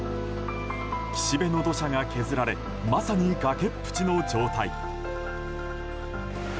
岸辺の土砂が削られまさに崖っぷちの状態。